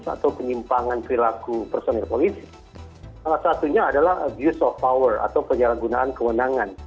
atau penyalahgunaan kewenangan